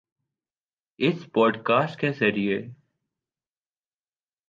اس podcast کے ذریعے